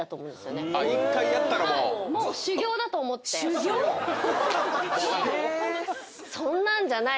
修行⁉そんなんじゃない。